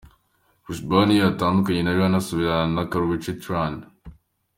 Chris Brown iyo yatandukanye na Rihanna asubirana na Karrueche Tran.